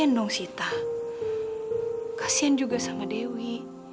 nggak ada dewi